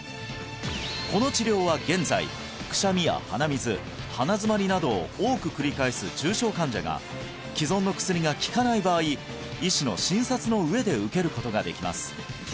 この治療は現在くしゃみや鼻水鼻づまりなどを多く繰り返す重症患者が既存の薬が効かない場合医師の診察の上で受けることができます